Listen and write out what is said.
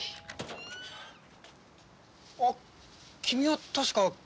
あっ君は確か。